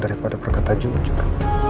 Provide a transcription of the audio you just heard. daripada berkata jujur